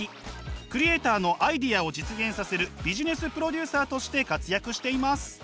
クリエーターのアイデアを実現させるビジネスプロデューサーとして活躍しています。